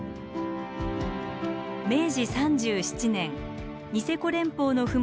明治３７年ニセコ連峰の麓